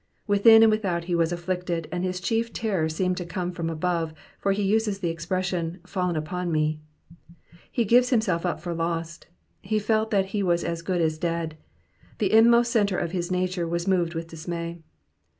Within and without he was afllicted, and his chief terror seemed to come from above, for he uses the ex pression, Fallen upon me." He gave himself up for lost. He felt that he was as good as dead. The inmost centre of his nature was moved with dis may.